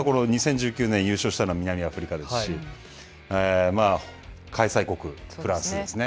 実は２０１９年、優勝したのは南アフリカですし開催国、フランスですね。